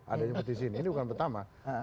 adanya petisi ini bukan pertama